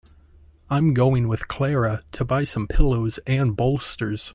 I'm going with Clara to buy some pillows and bolsters.